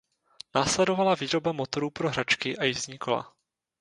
Následovala výroba motorů pro hračky a jízdní kola.